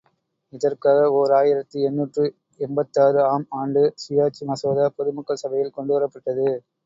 இதற்காக ஓர் ஆயிரத்து எண்ணூற்று எண்பத்தாறு ஆம் ஆண்டு சுயாட்சி மசோதா பொதுமக்கள் சபையில் கொண்டுவரப்பட்டது.